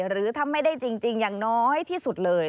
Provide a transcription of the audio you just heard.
หรือถ้าไม่ได้จริงอย่างน้อยที่สุดเลย